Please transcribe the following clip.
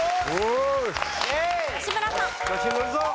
吉村さん。